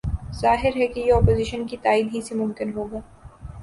ظاہر ہے کہ یہ اپوزیشن کی تائید ہی سے ممکن ہو گا۔